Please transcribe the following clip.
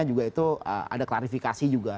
jadi faktanya juga itu ada klarifikasi juga